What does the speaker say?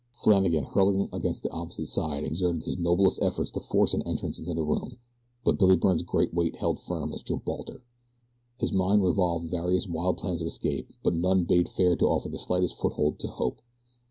Flannagan hurtling against the opposite side exerted his noblest efforts to force an entrance to the room; but Billy Byrne's great weight held firm as Gibraltar. His mind revolved various wild plans of escape; but none bade fair to offer the slightest foothold to hope.